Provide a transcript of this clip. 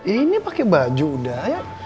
ini pakai baju udah ya